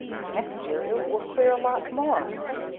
Next year it will clear a lot more."